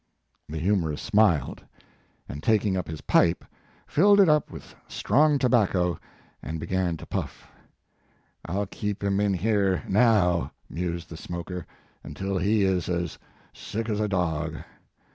The humorist smiled, and taking up his pipe, filled it up with strong tobacco, and began to puff. Til keep him in here, now," mused the smoker, "until he is as sick as a dog.